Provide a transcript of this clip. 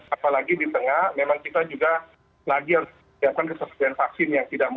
apalagi di tengah memang kita juga lagi harus siapkan kesesuaian vaksin ini